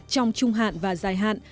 trong trung hạn và dài hạn